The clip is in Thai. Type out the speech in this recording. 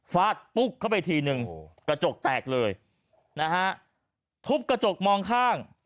ฟาดปุ๊กเข้าไปทีนึงกระจกแตกเลยนะฮะทุบกระจกมองข้าง